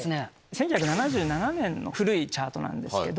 １９７７年の古いチャートなんですけど。